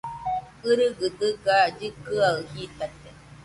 ɨgɨgɨ dɨga llɨkɨaɨ jitate